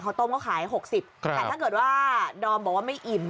เขาต้มก็ขาย๖๐แต่ถ้าเกิดว่าดอมบอกว่าไม่อิ่ม